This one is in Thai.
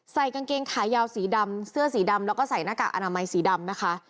กางเกงขายาวสีดำเสื้อสีดำแล้วก็ใส่หน้ากากอนามัยสีดำนะคะ